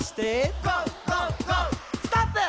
「ストップ！」